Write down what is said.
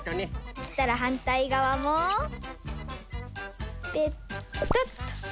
そしたらはんたいがわもペトッと！